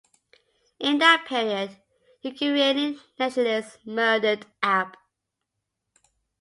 In that period, Ukrainian nationalists murdered app.